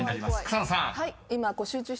［草野さん］